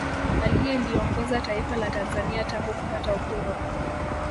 Aliyeliongoza taifa la Tanzania tangu kupata uhuru